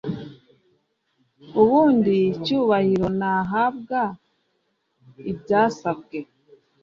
ubundi cyubahiro nahabwa ibyasabye